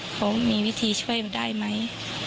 เขามีวิธีช่วยได้ไหม